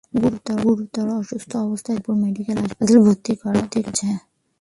গুরুতর অসুস্থ অবস্থায় তাঁকে রংপুর মেডিকেল কলেজ হাসপাতালে ভর্তি করা হয়েছে।